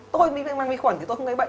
tôi đi mang vi khuẩn thì tôi không gây bệnh